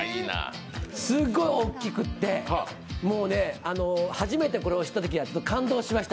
すっごい大きくて、初めてこれを知ったときには感動しました。